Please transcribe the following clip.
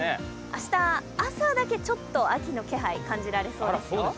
明日、朝だけちょっと秋の気配、感じられそうですよ。